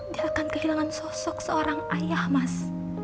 dia akan kehilangan sosok seorang ayah mas